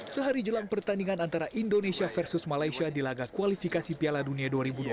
sehari jelang pertandingan antara indonesia versus malaysia di laga kualifikasi piala dunia dua ribu dua puluh